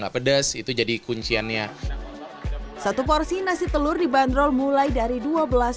pedes itu jadi kunciannya satu porsi nasi telur dibanderol mulai dari dua belas